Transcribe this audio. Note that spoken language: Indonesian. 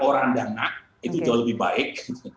orang dana itu jauh lebih baik